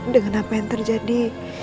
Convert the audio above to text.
dengan apa yang terjadi